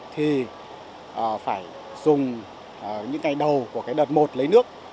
thì phải dùng những ngày đầu của cái đợt một lấy nước